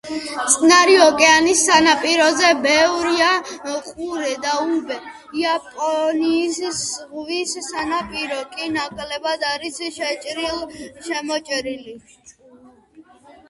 წყნარი ოკეანის სანაპიროზე ბევრია ყურე და უბე; იაპონიის ზღვის სანაპირო კი ნაკლებად არის შეჭრილ-შემოჭრილი.